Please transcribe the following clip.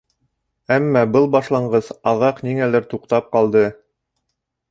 Әммә был башланғыс аҙаҡ ниңәлер туҡтап ҡалды.